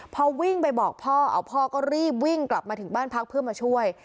พอวิ่งไปบอกพ่อพ่อก็รีบวิ่งกลับมาถึงบ้านพักเพื่อมาช่วย